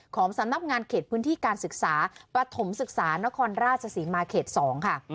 สำนักงานเขตพื้นที่การศึกษาปฐมศึกษานครราชศรีมาเขต๒ค่ะ